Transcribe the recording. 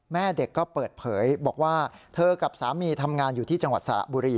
แม่เด็กก็เปิดเผยบอกว่าเธอกับสามีทำงานอยู่ที่จังหวัดสระบุรี